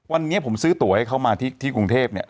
วันนี้ผมซื้อตัวให้เขามาที่กรุงเทพเนี่ย